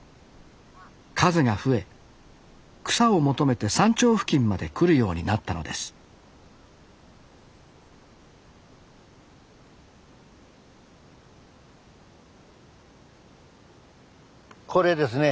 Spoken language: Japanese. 数が増え草を求めて山頂付近まで来るようになったのですこれですね。